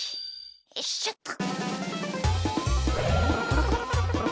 よいしょっと。